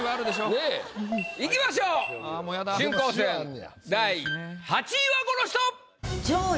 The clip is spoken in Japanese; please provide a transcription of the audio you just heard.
いきましょう春光戦第８位はこの人！